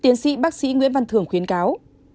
tiến sĩ bác sĩ nguyễn văn thường khuyến cáo